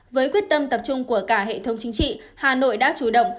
với quyết tâm tập trung của cả hệ thống chính trị hà nội đã chủ động